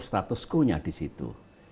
status quo nya di situ